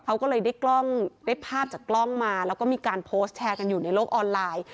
เขาก็เลยได้กล้องได้ภาพจากกล้องมาแล้วก็มีการโพสต์แชร์กันอยู่ในโลกออนไลน์